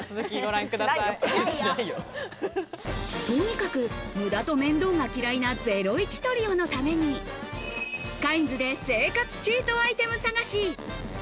とにかく無駄と面倒が嫌いなゼロイチトリオのためにカインズで生活チートアイテム探し。